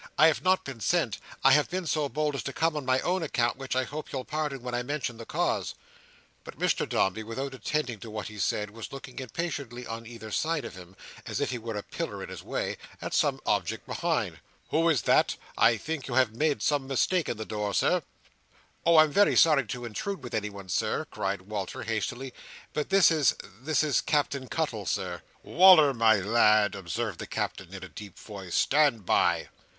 "I have not been sent. I have been so bold as to come on my own account, which I hope you'll pardon when I mention the cause. But Mr Dombey, without attending to what he said, was looking impatiently on either side of him (as if he were a pillar in his way) at some object behind. "What's that?" said Mr Dombey. "Who is that? I think you have made some mistake in the door, Sir." "Oh, I'm very sorry to intrude with anyone, Sir," cried Walter, hastily: "but this is—this is Captain Cuttle, Sir." "Wal"r, my lad," observed the Captain in a deep voice: "stand by!"